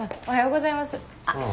おはようございます。